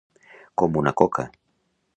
Com una coca.